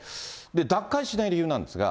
脱会しない理由なんですが。